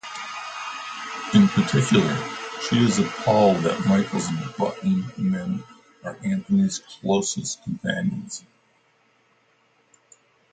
In particular, she is appalled that Michael's button men are Anthony's closest companions.